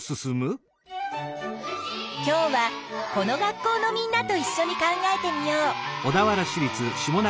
今日はこの学校のみんなといっしょに考えてみよう。